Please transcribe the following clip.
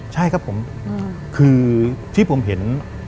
ใช่ครับผมคือที่ผมเห็น